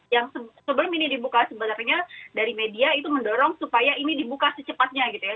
yang sebelum ini dibuka sebenarnya dari media itu mendorong supaya ini dibuka secepatnya gitu ya